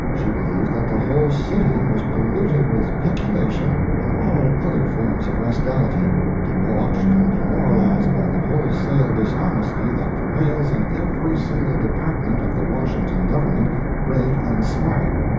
She believed that the whole city was polluted with peculation and all other forms of rascality—debauched and demoralized by the wholesale dishonesty that prevails in every single department of the Washington Government, great and small.